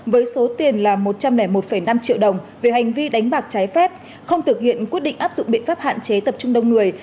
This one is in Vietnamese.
với số tiền là một trăm linh một năm triệu đồng về hành vi đánh bạc trái phép không thực hiện quyết định áp dụng biện pháp hạn chế tập trung đông người